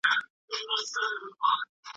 موږ نن ورځ له پرون سره پرتله کوو.